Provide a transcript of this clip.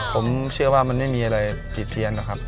ผมเชื่อว่ามันไม่มีอะไรผิดเพี้ยนหรอกครับ